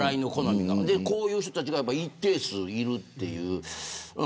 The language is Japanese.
こういう人たちが一定数いるという。